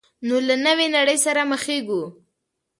نو له نوې نړۍ سره مخېږو.